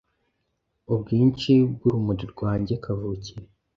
Ubwinhi bwurumuri rwanjye kavukire